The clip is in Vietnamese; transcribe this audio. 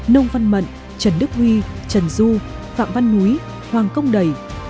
nông văn mận trần đức huy trần du phạm văn núi hoàng công đầy